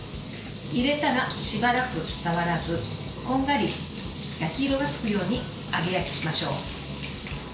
入れたらしばらく触らずこんがり焼き色がつくように揚げ焼きしましょう。